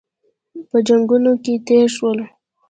په جنګونو کې تېر شول.